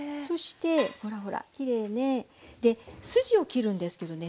ほらほらきれいね。で筋を切るんですけどね